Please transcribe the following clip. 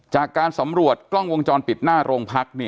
จากการสำรวจกล้องวงจรปิดหน้าโรงพัก